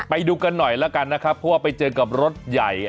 ไปดูกันหน่อยแล้วกันนะครับเพราะว่าไปเจอกับรถใหญ่